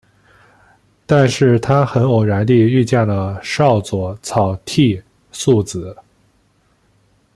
但是他很偶然地遇见了少佐草剃素子。